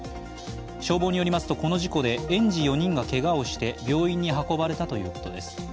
消防によりますと、この事故で園児４人がけがをして病院に運ばれたということです。